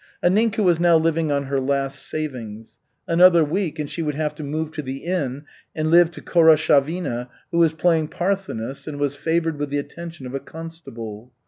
Anninka was now living on her last savings. Another week and she would have to move to the inn and live with Khoroshavina, who was playing Parthenis and was favored with the attention of a constable.